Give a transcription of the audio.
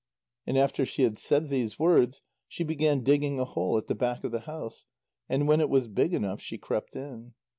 And after she had said these words, she began digging a hole at the back of the house, and when it was big enough, she crept in.